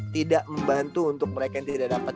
tidak membantu untuk mereka yang tidak dapat